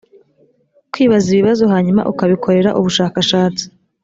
kwibaza ibibazo hanyuma ukabikorera ubushakashatsi.